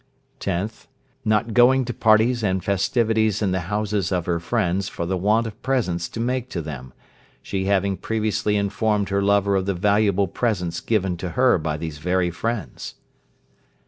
10th. Not going to parties and festivities in the houses of her friends for the want of presents to make to them, she having previously informed her lover of the valuable presents given to her by these very friends.